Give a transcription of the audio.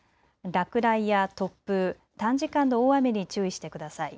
落雷や突風、短時間の大雨に注意してください。